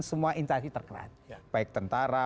semua interaksi terkerat baik tentara